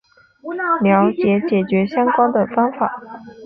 了解解决相关的方法